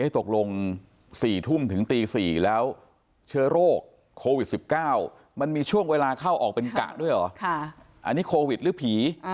ตกลง๔ทุ่มถึงตี๔แล้วเชื้อโรคโควิด๑๙มันมีช่วงเวลาเข้าออกเป็นกะด้วยเหรออันนี้โควิดหรือผี